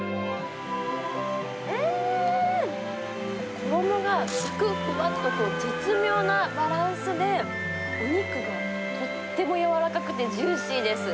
衣がさくっ、ふわっと絶妙なバランスで、お肉がとっても柔らかくてジューシーです。